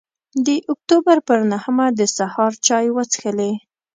د اکتوبر پر نهمه د سهار چای وڅښلې.